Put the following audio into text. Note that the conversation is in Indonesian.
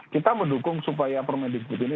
kita mendukung supaya permendikbud ini